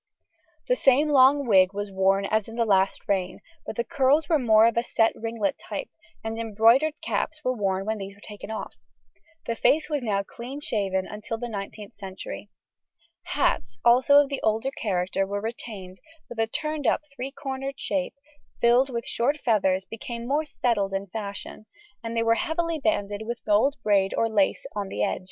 The same long wig was worn as in the last reign, but the curls were more of a set ringlet type, and embroidered caps were worn when these were taken off. The face was now clean shaven until the 19th century. Hats also of the older character were retained, but the turned up three cornered shape, filled with short feathers, became more settled in fashion, and they were heavily banded with gold braid or lace on the edge.